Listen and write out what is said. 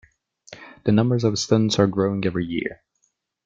The numbers of students are growing every year.